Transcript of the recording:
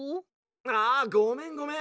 「ああごめんごめん。